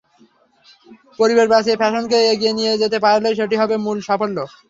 পরিবেশ বাঁচিয়ে ফ্যাশনকে এগিয়ে নিয়ে যেতে পারলেই সেটি হবে মূল সাফল্য।